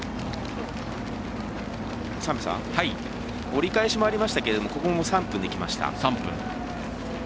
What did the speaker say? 折り返しもありましたけどここも３分でいきました。